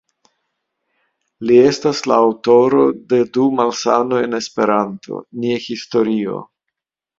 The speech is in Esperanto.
Li estas la aŭtoro de "Du Malsanoj en Esperanto", "Nia Historio.